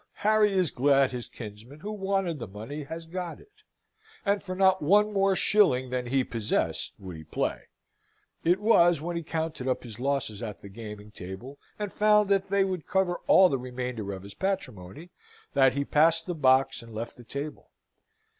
Harry is glad his kinsman, who wanted the money, has got it. And for not one more shilling than he possessed, would he play. It was when he counted up his losses at the gaming table, and found they would cover all the remainder of his patrimony, that he passed the box and left the table.